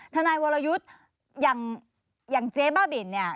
ทนายวรยุทธ์อย่างเจ๊บ้าบินเนี่ย